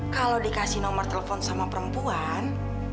kalau dikasih nomor telepon sama perempuan